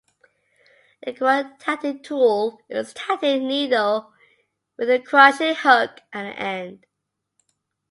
The cro-tatting tool is a tatting needle with a crochet hook at the end.